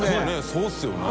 そうですよね。